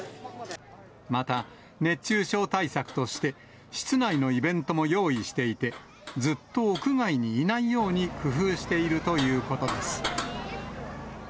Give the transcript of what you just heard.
また、熱中症対策として、室内のイベントも用意していて、ずっと屋外にいないように工夫しているということです。